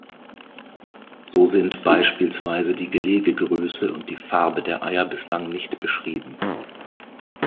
So sind beispielsweise die Gelegegröße und die Farbe der Eier bislang nicht beschrieben.